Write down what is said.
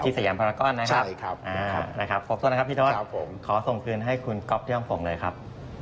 เสียงพรากรนะครับขอบคุณนะครับพี่ทอดขอส่งคืนให้คุณก๊อบที่ห้องฝงเลยครับ